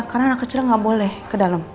karena anak kecil gak boleh ke dalam